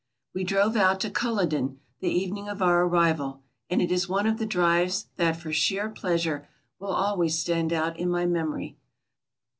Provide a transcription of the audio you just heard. We drove out to Culloden the evening of our arrival and it is one of the drives that, for sheer pleasure, will always stand out in my memory.